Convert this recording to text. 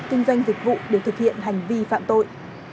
kinh doanh dịch vụ để thực hiện hành vi phạm tội